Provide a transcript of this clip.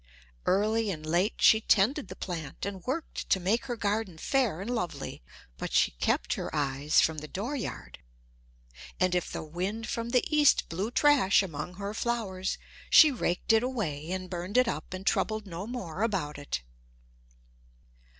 Early and late she tended the plant and worked to make her garden fair and lovely; but she kept her eyes from the dooryard. And if the wind from the east blew trash among her flowers she raked it away and burned it up and troubled no more about it.